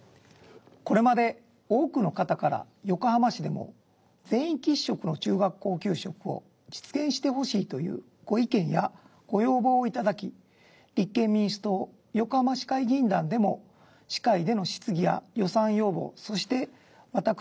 これまで多くの方から横浜市でも全員喫食の中学校給食を実現してほしいというご意見やご要望をいただき立憲民主党横浜市会議員団でも市会での質疑や予算要望そして私